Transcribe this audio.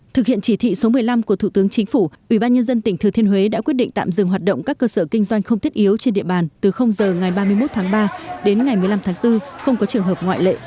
thực hiện chỉ thị số một mươi năm của thủ tướng chính phủ ubnd tỉnh thừa thiên huế đã quyết định tạm dừng hoạt động các cơ sở kinh doanh không thiết yếu trên địa bàn từ giờ ngày ba mươi một tháng ba đến ngày một mươi năm tháng bốn không có trường hợp ngoại lệ